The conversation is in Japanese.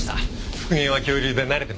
復元は恐竜で慣れてますから。